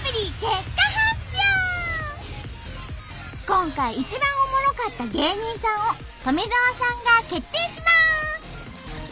今回一番おもろかった芸人さんを富澤さんが決定します！